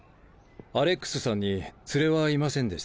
アレックスさんに連れはいませんでしたか？